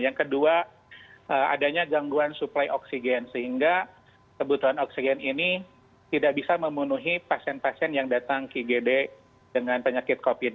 yang kedua adanya gangguan suplai oksigen sehingga kebutuhan oksigen ini tidak bisa memenuhi pasien pasien yang datang ke igd dengan penyakit covid